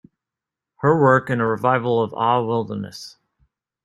Her work in a revival of Ah, Wilderness!